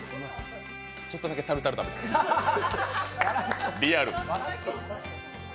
ちょっとだけタルタル食べる、リアル。